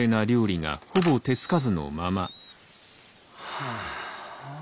はあ。